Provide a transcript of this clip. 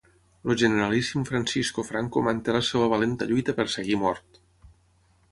El generalíssim Francisco Franco manté la seva valenta lluita per seguir mort.